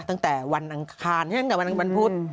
ตั้งแต่วันอังคารตั้งแต่วันพุธ